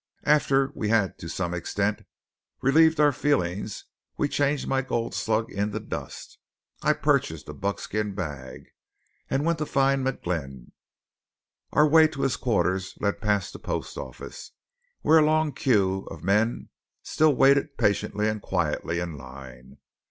After we had to some extent relieved our feelings we changed my gold slug into dust I purchased a buckskin bag and went to find McGlynn. Our way to his quarters led past the post office, where a long queue of men still waited patiently and quietly in line.